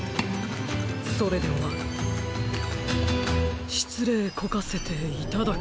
それではしつれいこかせていただきます。